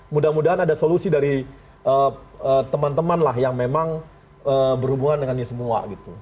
mudah mudahan ada solusi dari teman teman lah yang memang berhubungan dengan ini semua gitu